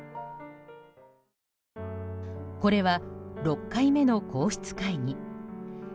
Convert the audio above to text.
これは６回目の皇室会議。